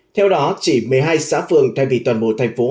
theo đó chỉ một mươi hai xã phường thay vì toàn bộ thành phố